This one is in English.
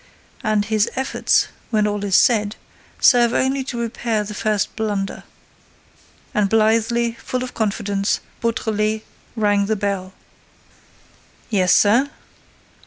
And his efforts, when all is said, serve only to repair the first blunder." And blithely, full of confidence, Beautrelet rang the bell. "Yes, sir?"